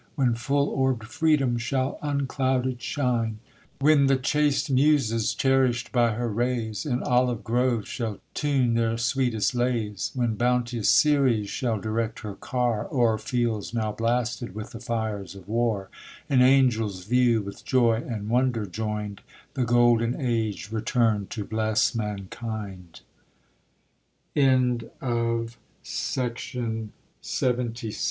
When full orb'd Freedom shall unclouded shine ; When the chaste Muses, cherish'd by her rays, In olive groves shall tune their sweetest laj;s ; When bounteous Ceres shall direct her car, O'er fields now blasted with the^fires of war; And angels view, with joy and wonder join'd, The golden a